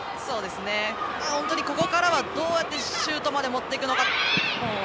本当にここからはどうやってシュートまで持っていくのか。